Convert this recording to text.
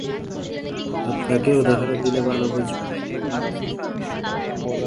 আপনাকে উদাহরণ দিলে ভালো বুঝবেন।